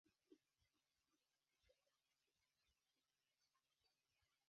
由阿尔及利亚支持的波利萨里奥阵线在与毛里塔尼亚和摩洛哥的战争中进行了斗争。